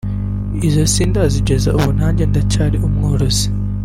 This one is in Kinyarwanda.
izo sindazigeza ubu nanjye ndacyari umworozi